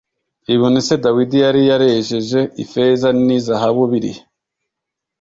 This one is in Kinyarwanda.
ibintu se dawidi yari yarejeje ifeza ni zahabu birihe